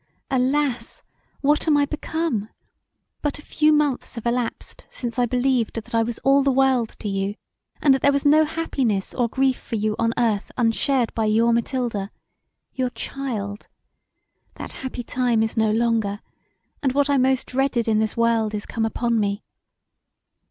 Alas! What am I become? But a few months have elapsed since I believed that I was all the world to you; and that there was no happiness or grief for you on earth unshared by your Mathilda your child: that happy time is no longer, and what I most dreaded in this world is come upon me.